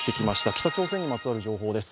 北朝鮮にまつわる情報です。